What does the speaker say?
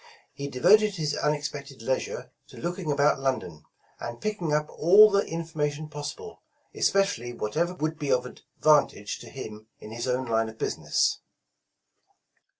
He devoted his unexpected leisure to looking about London, and picking up all the informa tion possible, especially whatever would be of advantag'i to him in his own line of business.